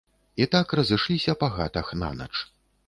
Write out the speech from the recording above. І так разышліся па хатах нанач.